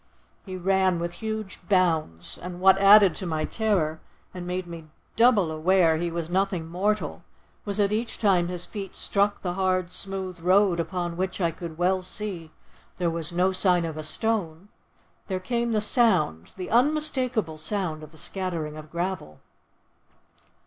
He ran with huge bounds, and, what added to my terror and made me double aware he was nothing mortal, was that each time his feet struck the hard, smooth road, upon which I could well see there was no sign of a stone, there came the sound, the unmistakable sound of the scattering of gravel.